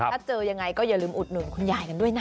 ถ้าเจอยังไงก็อย่าลืมอุดหนุนคุณยายกันด้วยนะ